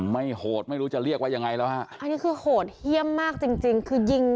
โหดไม่รู้จะเรียกว่ายังไงแล้วฮะอันนี้คือโหดเยี่ยมมากจริงจริงคือยิง